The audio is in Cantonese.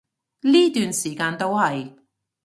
呢段時間都係